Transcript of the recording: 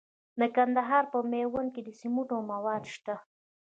د کندهار په میوند کې د سمنټو مواد شته.